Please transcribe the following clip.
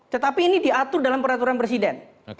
tetapi ini diatur dalam peraturan presiden